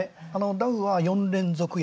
ダウは４連続安。